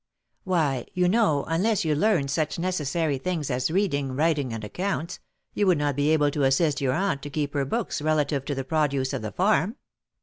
"Why, you know, unless you learned such necessary things as reading, writing, and accounts, you would not be able to assist your aunt to keep her books relative to the produce of the farm."